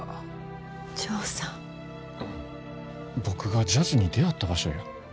僕がジャズに出会った場所や。